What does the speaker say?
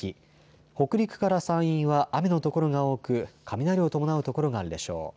北陸から山陰は雨のところが多く雷を伴う所があるでしょう。